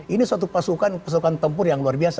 ini suatu pasukan pasukan tempur yang luar biasa